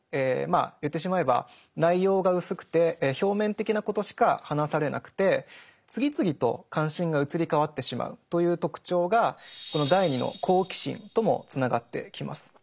まあ言ってしまえば内容が薄くて表面的なことしか話されなくて次々と関心が移り変わってしまうという特徴がこの第２の「好奇心」ともつながってきます。